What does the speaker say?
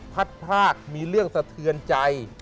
พัดพลากมีเรื่องสะเทือนใจ